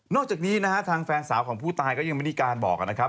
จากนี้นะฮะทางแฟนสาวของผู้ตายก็ยังไม่ได้มีการบอกนะครับ